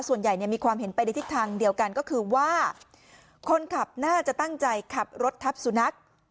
ส่วนใหญ่มีความเห็นไปในทิศทางเดียวกันก็คือว่าคนขับน่าจะตั้งใจขับรถทับสุนัข